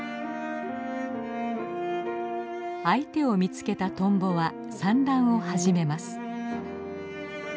相手を見つけたトンボは産卵を始めます。